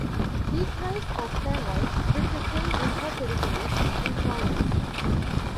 Beatrice of Savoy did the same in her territories in Provence.